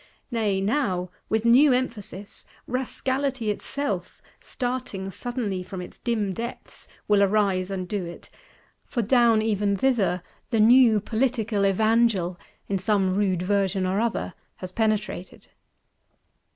Nay now, with new emphasis, Rascality itself, starting suddenly from its dim depths, will arise and do it,—for down even thither the new Political Evangel, in some rude version or other, has penetrated.